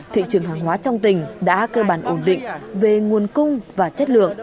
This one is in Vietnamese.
thị trường hàng hóa trong tỉnh đã cơ bản ổn định về nguồn cung và chất lượng